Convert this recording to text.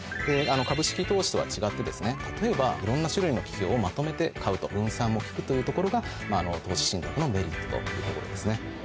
株式投資とは違って例えばいろんな種類の企業をまとめて買うと分散も利くというところが投資信託のメリットですね。